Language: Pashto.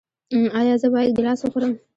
ایا زه باید ګیلاس وخورم؟